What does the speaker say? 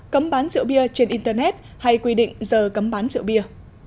cấm bán rượu bia trên internet hay quy định giờ cấm bán rượu bia